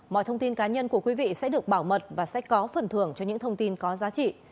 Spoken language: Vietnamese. mọi thông tin cá nhân của quý vị sẽ được bảo mật và sẽ có phần thưởng cho những thông tin có giá trị